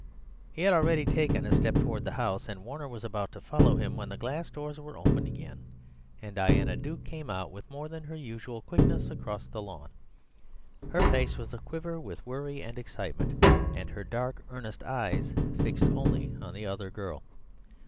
He had already taken a step towards the house, and Warner was about to follow him, when the glass doors were opened again and Diana Duke came out with more than her usual quickness across the lawn. Her face was aquiver with worry and excitement, and her dark earnest eyes fixed only on the other girl.